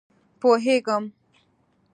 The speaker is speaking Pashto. پوهېږم.